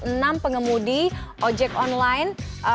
enam pengemudi ojek online